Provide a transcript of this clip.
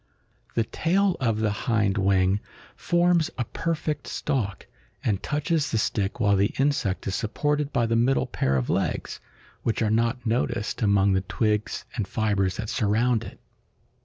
The tail of the hind wing forms a perfect stalk, and touches the stick while the insect is supported by the middle pair of legs, which are not noticed among the twigs and fibers that surround it.